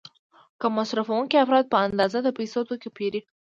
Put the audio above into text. کم مصرفوونکي افراد په اندازه د پیسو توکي پیري.